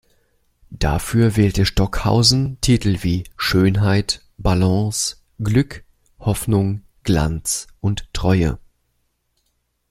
Dafür wählte Stockhausen Titel wie „Schönheit“, „Balance“, „Glück“, „Hoffnung“, „Glanz“ und „Treue“.